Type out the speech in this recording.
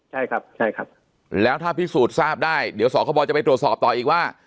ใช่ครับใช่ครับแล้วถ้าพิสูจน์ทราบได้เดี๋ยวสคบจะไปตรวจสอบต่ออีกว่า